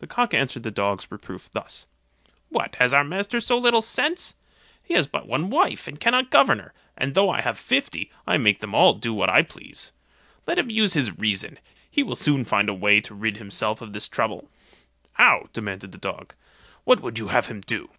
The cock answered the dog's reproof thus: "What, has our master so little sense? he has but one wife, and cannot govern her, and though I have fifty, I make them all do what I please. Let him use his reason, he will soon find a way to rid himself of his trouble." "How?" demanded the dog; "what would you have him do?"